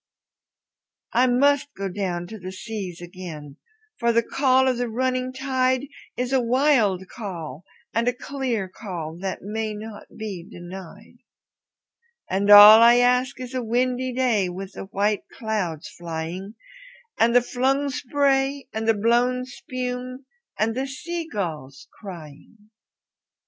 I must down go to the seas again, for the call of the running tide Is a wild call and a clear call that may not be denied; And all I ask is a windy day with the white clouds flying, And the flung spray and the blown spume, and the sea gulls crying.